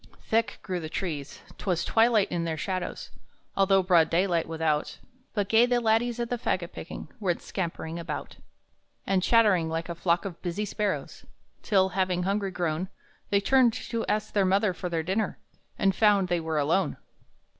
Thick grew the trees; 'twas twilight in their shadows, Although broad day without; But gay the laddies at the fagot picking Went scampering about, And chattering like a flock of busy sparrows; Till, having hungry grown, They turned to ask their mother for their dinner, And found they were alone!